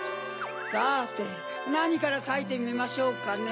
さてなにからかいてみましょうかね？